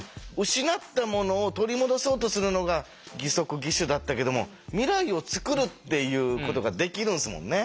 失ったものを取り戻そうとするのが義足義手だったけども未来を作るっていうことができるんですもんね。